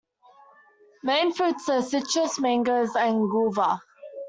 Main fruits are citrus, mangoes and guava.